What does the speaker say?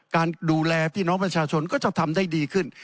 การดูแลพี่น้องประชาชนก็จะทำได้ดีขึ้น